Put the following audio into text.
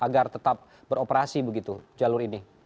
agar tetap beroperasi begitu jalur ini